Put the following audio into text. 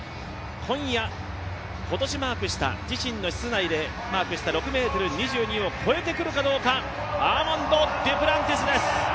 今夜今年自身の室内でマークした６ｍ２２を越えてくるかどうか、アーマンド・デュプランティス選手です。